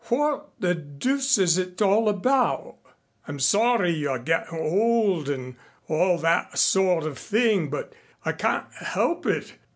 What the deuce is it all about? I'm sorry you're gettin' old an' all that sort of thing, but I can't help it.